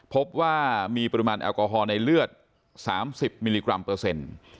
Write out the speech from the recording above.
พบว่ามีปริมาณแอลกอฮอล์ในเลือด๓๐มิลลิกรัมเปอร์เซ็นต์